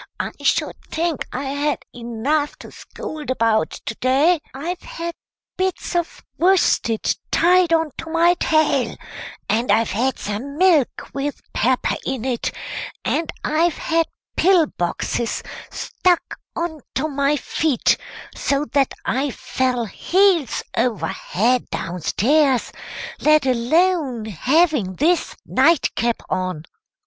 I should think I had enough to scold about to day! I've had bits of worsted tied on to my tail, and I've had some milk with pepper in it, and I've had pill boxes stuck on to my feet, so that I fell heels over head downstairs let alone having this nightcap on!"